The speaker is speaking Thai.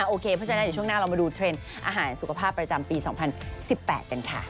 โอเคเพราะฉะนั้นเดี๋ยวช่วงหน้าเรามาดูเทรนด์อาหารสุขภาพประจำปี๒๐๑๘กันค่ะ